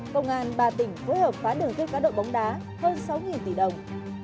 công an ba tỉnh phối hợp phá đường dây cá độ bóng đá hơn sáu tỷ đồng